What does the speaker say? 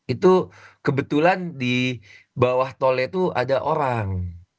itu kebetulan di bawah tolnya itu ada orang